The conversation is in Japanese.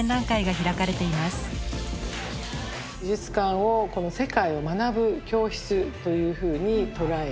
美術館をこの世界を学ぶ教室というふうに捉えて。